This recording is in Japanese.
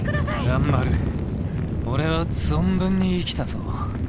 蘭丸俺は存分に生きたぞ。